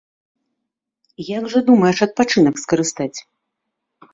Як жа думаеш адпачынак скарыстаць?